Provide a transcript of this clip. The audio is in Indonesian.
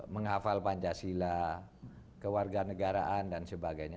menghafal pancasila kewarganegaraan dan sebagainya